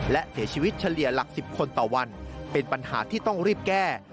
และเสียชีวิตเฉลี่ยหลัก๑๐คนต่อวันเป็นปัญหาที่ต้องรีบแก้